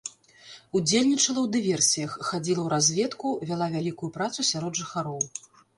Удзельнічала ў дыверсіях, хадзіла ў разведку, вяла вялікую працу сярод жыхароў.